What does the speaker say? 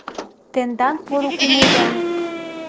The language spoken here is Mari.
Тендан поро кумылда.